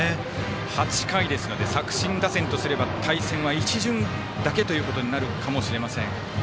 ８回ですので作新打線としては対戦は一巡だけということになるかもしれません。